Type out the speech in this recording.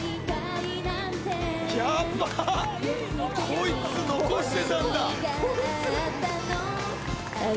ヤバっこいつ残してたんだ。